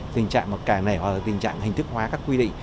tình trạng mà cả này hoặc là tình trạng hình thức hóa các quy định